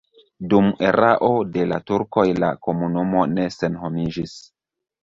Dum erao de la turkoj la komunumo ne senhomiĝis.